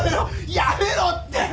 やめろって！